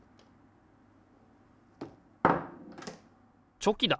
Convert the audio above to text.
チョキだ！